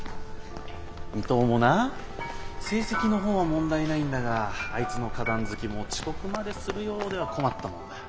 伊藤もな成績の方は問題ないんだがあいつの花壇好きも遅刻までするようでは困ったもんだ。